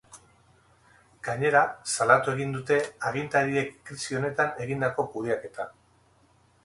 Gainera, salatu egin dute agintariek krisi honetan egindako kudeaketa.